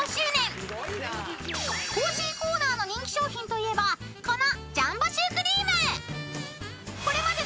［コージーコーナーの人気商品といえばこの］